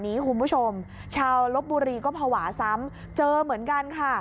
คุณผู้ชมชาวลบบุรีก็ภาวะซ้ำเจอเหมือนกันค่ะ